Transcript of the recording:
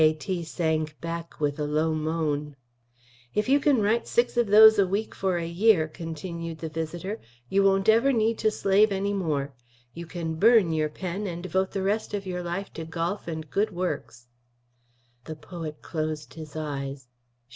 D.K.T. sank back with a low moan. "If you can write six of those a week for a year," continued the visitor, "you won't ever need to slave any more. You can burn your pen and devote the rest of your life to golf and good works." The poet closed his eyes.